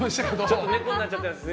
ちょっとネコになっちゃってました。